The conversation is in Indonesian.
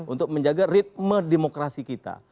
untuk menjaga ritme demokrasi kita